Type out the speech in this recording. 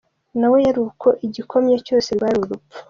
Nawe yari uko, igikomye cyose rwari urupfu.